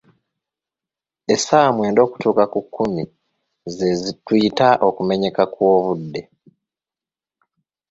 Essaawa mwenda okutuuka ku kkumi ze tuyita okumenyeka kw'obudde.